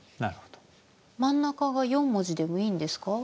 真ん中が４文字でもいいんですか？